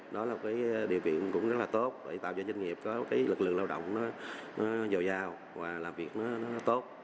điều kiện cũng rất là tốt để tạo cho doanh nghiệp có lực lượng lao động dồi dào và làm việc tốt